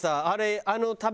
あれ。